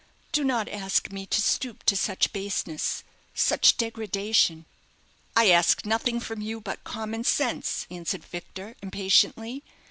Do not ask me to stoop to such baseness such degradation." "I ask nothing from you but common sense," answered Victor impatiently.